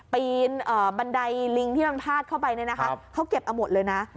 ปีนบันไดลิงที่มันพาดเข้าไปเนี่ยนะคะเขาเก็บเอาหมดเลยนะ